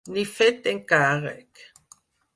Ni fet d'encàrrec.